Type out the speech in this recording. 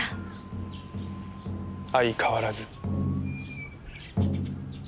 相変わらず？